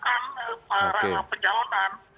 kami yang sekarang sedang menyiapkan raya penjelonan